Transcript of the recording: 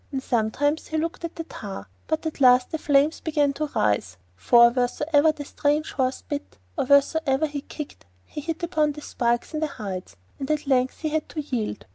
And sometimes he looked at the tar, but at last the flames began to rise, for wheresoever the strange horse bit or wheresoever he kicked he hit upon the spikes in the hides, and at length he had to yield.